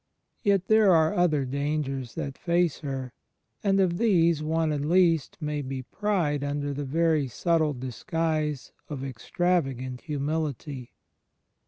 Yet there are other dangers that face her, and of these one at least may be pride imder the very subtle disguise of extravagant humility.